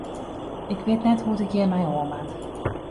Ik wit net hoe't ik hjir mei oan moat.